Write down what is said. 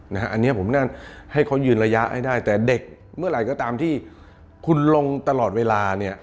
อันนี้ผมนั่งให้เขายืนระยะให้ได้แต่เด็กเมื่อไหร่ก็ตามที่คุณลงตลอดเวลาเนี่ย